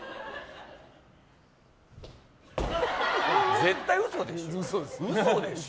絶対嘘でしょ。